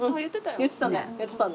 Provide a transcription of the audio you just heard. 言ってたね。